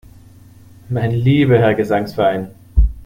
Mein lieber Herr Gesangsverein!